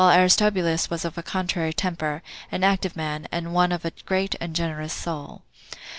Aristobulus was of a contrary temper, an active man, and one of a great and generous soul.